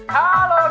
halo suara hati